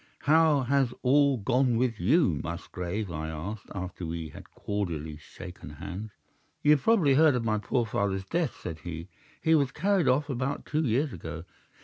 "'How has all gone with you Musgrave?' I asked, after we had cordially shaken hands. "'You probably heard of my poor father's death,' said he; 'he was carried off about two years ago.